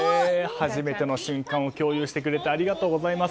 初めての瞬間を共有してくれてありがとうございます。